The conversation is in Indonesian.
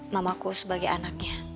mamaku sebagai anaknya